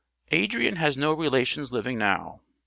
Adrian has no relations living now.